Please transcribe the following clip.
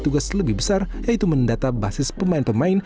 tugas lebih besar yaitu mendata basis pemain pemain